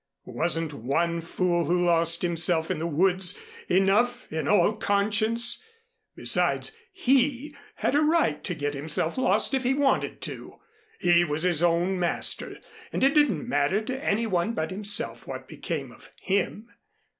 Wasn't one fool who lost himself in the woods enough in all conscience! Besides he had a right to get himself lost if he wanted to. He was his own master and it didn't matter to any one but himself what became of him.